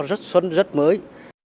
rất xuân rất mới